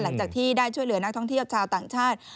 หลังจากที่ได้ช่วยเหลือนักท่องเที่ยวชาวต่างชาติ